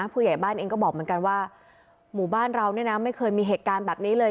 ผู้ใหญ่บ้านเองก็บอกเหมือนกันว่าหมู่บ้านเราเนี่ยนะไม่เคยมีเหตุการณ์แบบนี้เลย